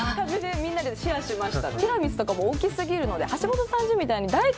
みんなでシェアしました。